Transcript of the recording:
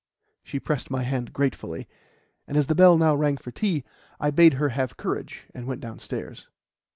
She pressed my hand gratefully, and as the bell now rang for tea, I bade her have courage and went downstairs.